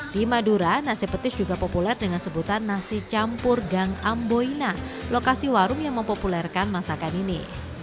di madura nasi petis juga populer dengan sebutan nasi campur gang amboina lokasi warung yang mempopulerkan masakan ini